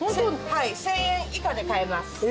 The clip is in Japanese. はい１，０００円以下で買えます。